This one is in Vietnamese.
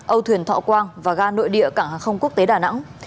âu thuyền thọ quang và ga nội địa cảng hàng không quốc tế đà nẵng